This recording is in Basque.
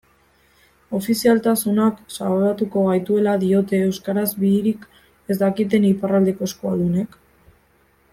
Ofizialtasunak salbatuko gaituela diote euskaraz bihirik ez dakiten iparraldeko euskualdunek?